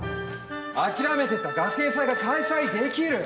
諦めてた学園祭が開催できる。